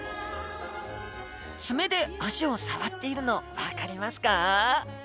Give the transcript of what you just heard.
爪で脚を触っているの分かりますか？